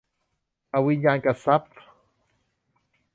อวิญญาณกทรัพย์